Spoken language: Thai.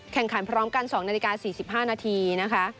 แข่งขันพร้อมกัน๒นาฬิกา๔๕นาทีนะคะ